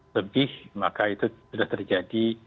lebih maka itu sudah terjadi